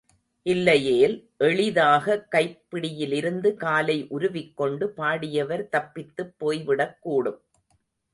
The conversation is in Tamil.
இல்லையேல், எளிதாக கைப்பிடியிலிருந்து காலை உருவிக்கொண்டு, பாடியவர் தப்பித்துப் போய்விடக் கூடும்.